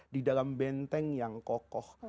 di dalam benteng yang kokoh